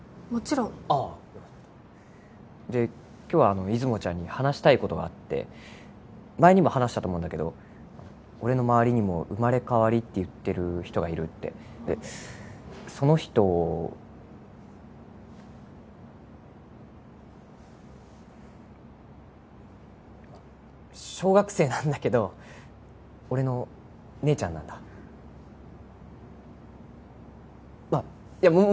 もちろんああよかったで今日は出雲ちゃんに話したいことがあって前にも話したと思うんだけど俺の周りにも生まれ変わりって言ってる人がいるってその人小学生なんだけど俺の姉ちゃんなんだあっいや